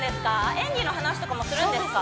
演技の話とかもするんですか？